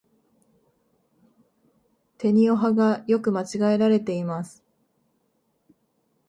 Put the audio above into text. てにをはが、よく間違えられています。